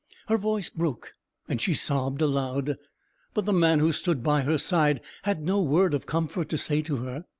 Her voice broke, and she sobbed aloud: but the man who stood by her side had no word of comfort to say to her.